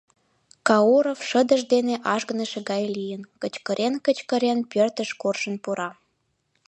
Кауров шыдыж дене ажгыныше гай лийын, кычкырен-кычкырен, пӧртыш куржын пура...